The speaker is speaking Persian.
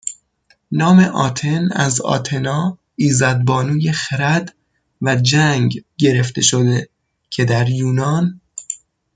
نام آتن از آتنا ایزدبانوی خرد و جنگ گرفته شده که در یونان